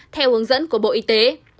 theo hướng dẫn của bộ y tế